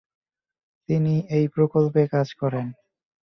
তিনি এই প্রকল্পে কাজ করেন।